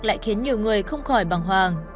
lại khiến nhiều người không khỏi bằng hoàng